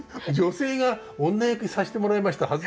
女性が「女役にさせてもらいました。